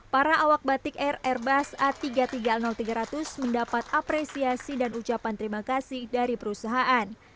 para awak batik air airbus a tiga ratus tiga puluh tiga ratus mendapat apresiasi dan ucapan terima kasih dari perusahaan